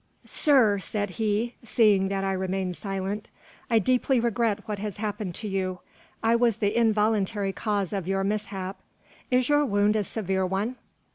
"Sir," said he, seeing that I remained silent, "I deeply regret what has happened to you. I was the involuntary cause of your mishap. Is your wound a severe one?"